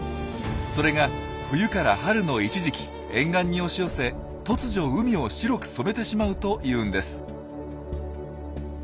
それが冬から春の一時期沿岸に押し寄せ突如海を白く染めてしまうというんです。